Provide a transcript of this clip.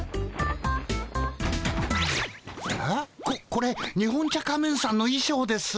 ここれ日本茶仮面さんのいしょうです。